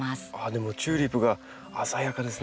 でもチューリップが鮮やかですね。